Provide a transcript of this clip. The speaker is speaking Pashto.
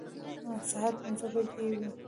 سهار پنځه بجې وې.